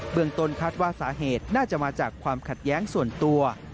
เมืองต้นคาดว่าสาเหตุน่าจะมาจากความขัดแย้งส่วนตัว